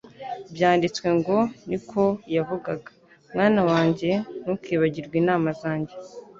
Byanditswe ngo, niko yavugaga, “Mwana wanjye ntukibagirwe inama zanjye,